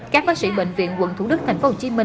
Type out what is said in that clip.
các bác sĩ bệnh viện quận thủ đức tp hcm